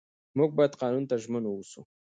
موږ باید قانون ته ژمن واوسو